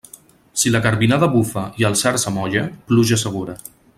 Si la garbinada bufa i el cerç amolla, pluja segura.